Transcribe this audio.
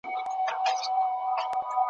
زه به نه یم ستا په لار کي به مي پل وي `